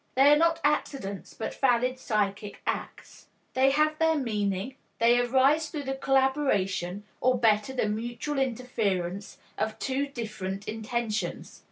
They are not accidents, but valid psychic acts. They have their meaning; they arise through the collaboration or better, the mutual interference of two different intentions.